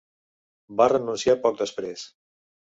Va renunciar poc després.